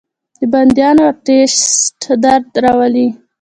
د بندونو ارترایټس درد راولي.